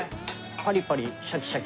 パリパリシャキシャキ。